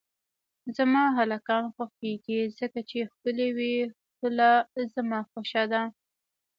زما هلکان خوښیږی ځکه چی ښکلی وی ښکله زما خوشه ده